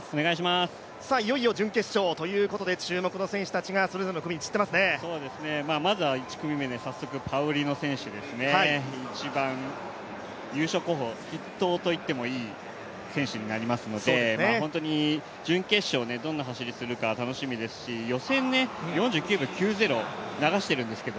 いよいよ準決勝ということで、注目の選手たちがまずは１組目で早速パウリノ選手ですね、一番優勝候補、筆頭といってもいい選手になりますので本当に準決勝、どんな走りするか楽しみですし予選、４９秒９０、流してるんですけど。